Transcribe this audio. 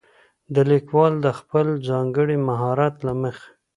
ليکوال د خپل ځانګړي مهارت له مخې